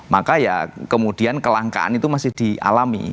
maka ya kemudian kelangkaan itu masih dialami